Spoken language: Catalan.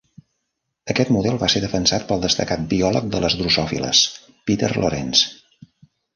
Aquest model va ser defensat pel destacat biòleg de les drosòfiles, Peter Lawrence.